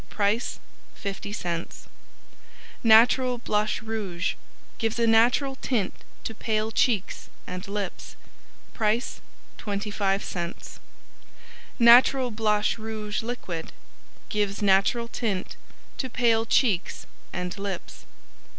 Price 50c Natural Blush Rouge Gives a natural tint to pale cheeks and Lips. Price 25c Natural Blush Rouge Liquid Gives natural tint to pale cheeks and lips.